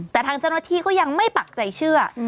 แต่ทางเจ้าหน้าที่ก็ยังไม่ปักใจเชื่อ